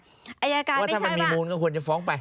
ว่าถ้ามันมีมูลก็ควรจะฟ้องไป